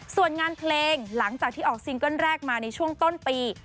ส่วนงานเพลงหลังจากที่ออกซิงเกิ้ลแรกมาในช่วงต้นปี